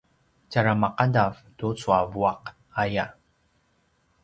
tjara maqadav tucu a vuaq aya